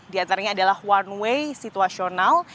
di antaranya adalah one way situasional